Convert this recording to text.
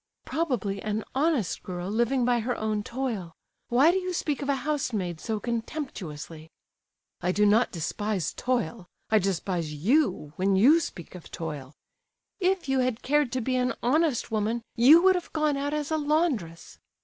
"Probably an honest girl living by her own toil. Why do you speak of a housemaid so contemptuously?" "I do not despise toil; I despise you when you speak of toil." "If you had cared to be an honest woman, you would have gone out as a laundress."